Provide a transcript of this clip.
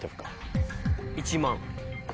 １万。